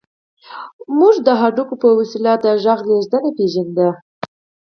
موږ د هډوکي په وسيله د غږ لېږد نه پېژاند.